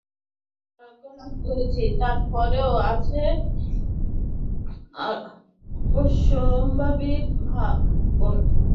কিছুদিনের জন্য আরোগ্যলাভ করি, তারপরেই আসে অবশ্যম্ভাবী ভাঙন।